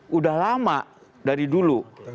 sudah lama dari dulu